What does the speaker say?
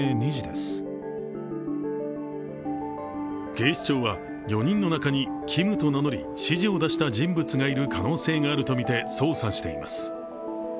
警視庁は４人の中に「Ｋｉｍ」と名乗り指示を出した人物がいる可能性があるとみて捜査しています。